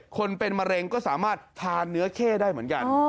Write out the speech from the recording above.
คนเป็นมะเร็งก็สามารถทานเนื้อเข้ได้เหมือนกัน